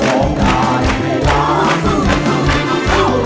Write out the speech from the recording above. ร้องได้ให้ล้าน